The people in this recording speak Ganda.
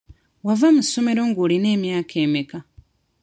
Wava mu ssomero ng'olina emyaka emeka?